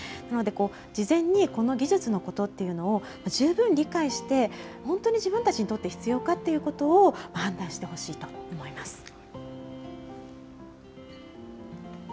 なので、事前にこの技術のことっていうのを十分理解して、本当に自分たちにとって必要かっていうことを判断してほしいと思います。